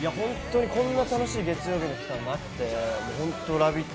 こんな楽しい月曜日の期間はなくて、ホントラヴィット！